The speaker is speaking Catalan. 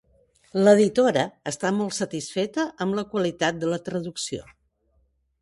L'editora està molt satisfeta amb la qualitat de la traducció.